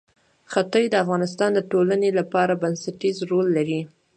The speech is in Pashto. ښتې د افغانستان د ټولنې لپاره بنسټيز رول لري.